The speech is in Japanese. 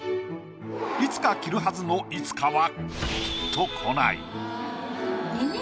「いつか着るはず」の「いつか」はきっと来ない。